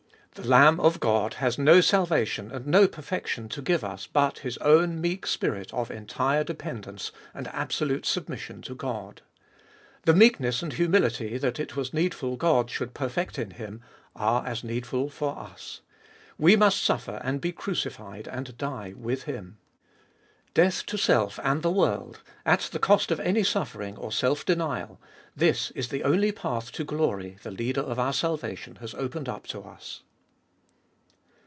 The Lamb of God has no salvation and no perfection to give us but His own meek spirit of entire dependence and absolute submission to God. The meekness and humility that it was needful God should perfect in Him are as needful for us. We must suffer and be crucified and die with Him. Death to self and the world, at the cost of any suffering or self denial, this is the only path to glory the Leader of our salvation has opened up to us.